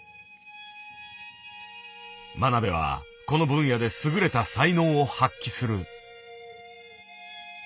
真鍋はこの分野で優れた才能を発揮する。